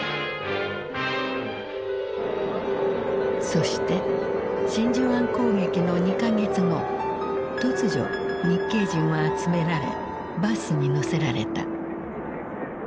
そして真珠湾攻撃の２か月後突如日系人は集められバスに乗せられた。